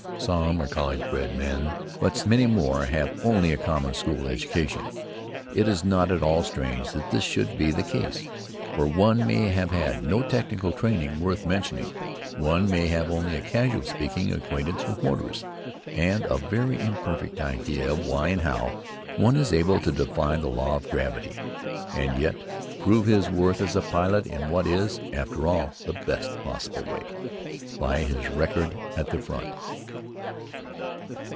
Some are college bred men, but many more have only a common school education. It is not at all strange that this should be the case, for one may have had no technical training worth mentioning; one may have only a casual speaking acquaintance with motors, and a very imperfect idea of why and how one is able to defy the law of gravity, and yet prove his worth as a pilot in what is, after all, the best possible way by his record at the front.